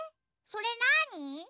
それなに？